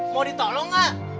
mau ditolong gak